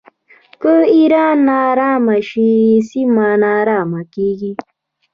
که ایران ناارامه شي سیمه ناارامه کیږي.